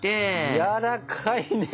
やわらかいね。